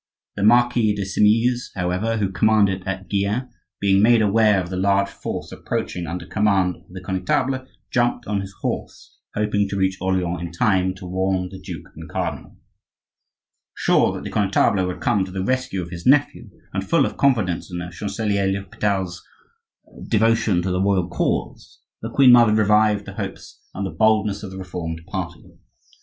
The Marquis de Simeuse, however, who commanded at Gien, being made aware of the large force approaching under command of the Connetable, jumped on his horse hoping to reach Orleans in time to warn the duke and cardinal. Sure that the Connetable would come to the rescue of his nephew, and full of confidence in the Chancelier l'Hopital's devotion to the royal cause, the queen mother revived the hopes and the boldness of the Reformed party.